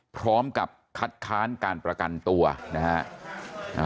พร้อมกับคัดค้านการประกันตัวนะฮะ